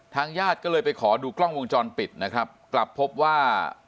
ญาติก็เลยไปขอดูกล้องวงจรปิดนะครับกลับพบว่า